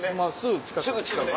すぐ近く。